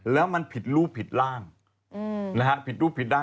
แล้วมันผิดรูปผิดร่างผิดรูปผิดร่าง